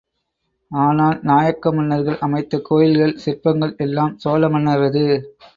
ஆனால், நாயக்க மன்னர்கள் அமைத்த கோயில்கள் சிற்பங்கள் எல்லாம் சோழ மன்னரது.